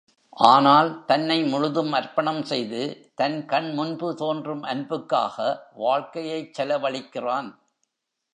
ஆனால், தன்னை முழுவதும் அர்ப்பணம் செய்து, தன் கண்முன்பு தோன்றும் அன்புக்காக வாழ்க்கையைச் செலவழிக்கிறான்.